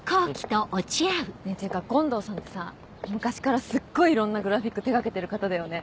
ねぇてか権藤さんってさ昔からすっごいいろんなグラフィック手掛けてる方だよね。